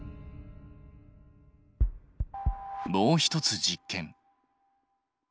もう一つ実験。